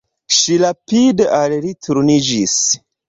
Ŝi rapide al li turniĝis.